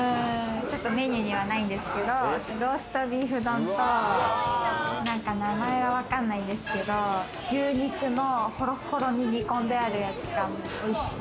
メニューにはないんですけど、ローストビーフ丼と、何か名前はわかんないんですけれど、牛肉のホロホロに煮込んであるやつがおいしい。